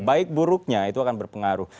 baik buruknya itu akan berpengaruh